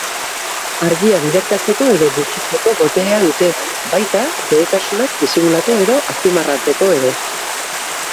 Argia biderkatzeko edo gutxitzeko boterea dute, baita zehetasunak disimulatu edo azpimarratzeko ere.